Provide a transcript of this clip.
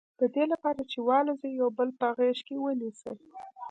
د دې لپاره چې والوزي یو بل په غېږ کې ونیسي.